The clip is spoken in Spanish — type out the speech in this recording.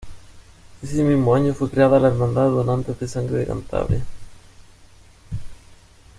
Ese mismo año fue creada la "Hermandad de Donantes de Sangre de Cantabria".